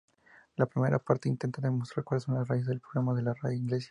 La primera parte intenta demostrar cuáles son las raíces del problema de la Iglesia.